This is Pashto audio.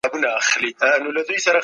فساد کوونکي ته سزا ورکول کېږي.